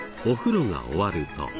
お風呂が終わると。